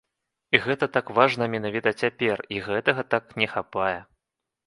І гэта так важна менавіта цяпер, і гэтага так не хапае.